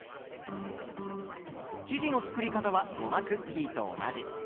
生地の作り方はごまクッキーと同じ。